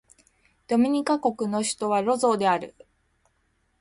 ドミニカ国の首都はロゾーである